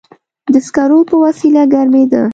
د سکرو په وسیله ګرمېده.